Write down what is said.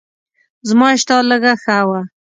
زما اشتها لږه ښه وه.